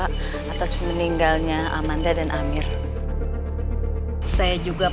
kalau begitu saya permisi dulu